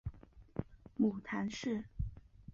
母谈氏。